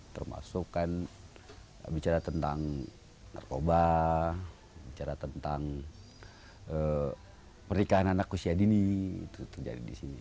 termasuk kan bicara tentang narkoba bicara tentang pernikahan anak usia dini